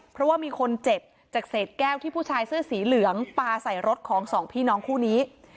เพราะว่ามีคนเจ็บจากเศษแก้วที่ผู้ชายเสื้อสีเหลืองปลาใส่รถของสองพี่น้องคู่นี้